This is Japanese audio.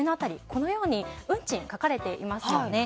このように運賃が書かれていますよね。